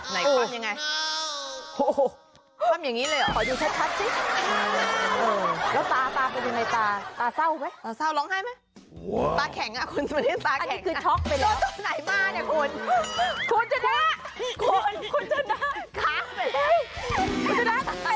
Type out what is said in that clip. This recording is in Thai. ไหนความยังไง